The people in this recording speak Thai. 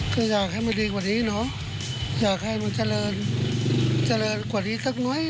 ก็อยากให้มันดีกว่านี้เนอะอยากให้มันเจริญเจริญกว่านี้สักน้อย